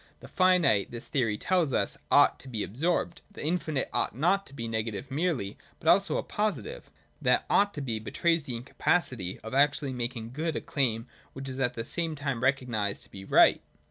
The finite, this theory tells us, ought to be absorbed ; the infinite ought not to be a negative merely, but also a positive. That ' ought to be ' betrays the incapacity of actually making good a claim which is at the same time recognised to be right.